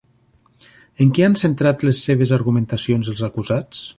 En què han centrat les seves argumentacions els acusats?